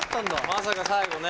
まさか最後ね。